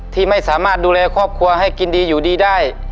ที่ไม่สามารถดูแลครอบครัวให้กินดีอยู่ดีได้